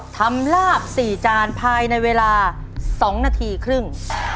ลาบ๔จานภายในเวลา๒นาทีครึ่ง